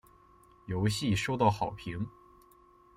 游戏收到好评。